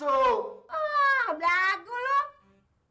wah beragul lu